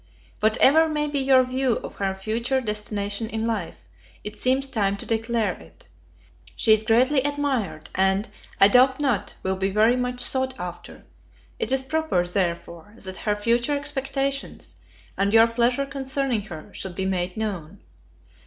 Whatever may be your view for her future destination in life, it seems time to declare it. She is greatly admired, and, I doubt not, will be very much sought after: it is proper, therefore, that her future expectations, and your pleasure concerning her, should be made known.